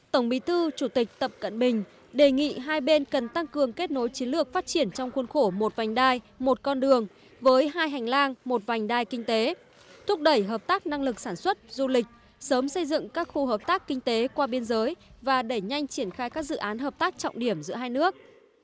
tổng bí thư chủ tịch tập cận bình đề nghị hai bên cần tăng cường kết nối chiến lược phát triển trong khuôn khổ một vành đai một con đường với hai hành lang một vành đai kinh tế thúc đẩy hợp tác năng lực sản xuất du lịch sớm xây dựng các khu hợp tác kinh tế qua biên giới và đẩy nhanh triển khai các dự án hợp tác trọng điểm giữa hai nước